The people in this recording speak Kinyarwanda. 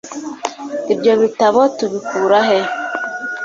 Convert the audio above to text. Ibyo bitabo tubikura he?